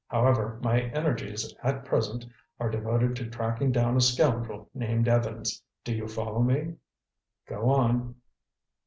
However, my energies at present are devoted to tracking down a scoundrel named Evans. Do you follow me?" "Go on."